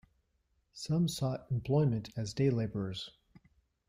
Some sought employment as day laborers.